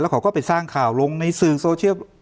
เขาก็ไปสร้างข่าวลงในสื่อโซเชียล